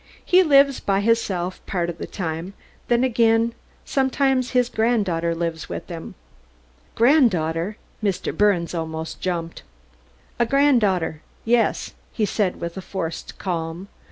"He lives by hisself part of the time; then again sometimes his grand darter lives with him." Granddaughter! Mr. Birnes almost jumped. "A granddaughter, yes," he said with a forced calm.